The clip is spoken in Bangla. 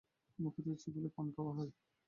মুখে দিয়ে চিবোলেই পান খাওয়া হয়।